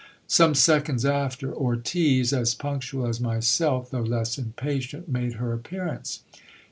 Some seconds after, Ortiz, as punctual as myself though less impatient, made her appearance.